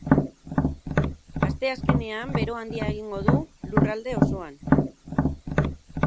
Asteazkenean bero handia egingo du lurralde osoan.